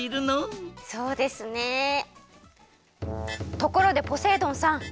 ところでポセイ丼さん。